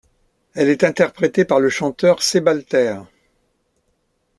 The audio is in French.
Elle est interprétée par le chanteur Sebalter.